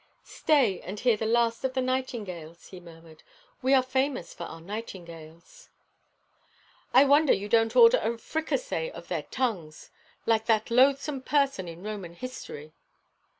'Stay and hear the last of the nightingales,' he murmured; 'we are famous for our nightingales.' 'I wonder you don't order a fricassée of their tongues, like that loathsome person in Roman history.'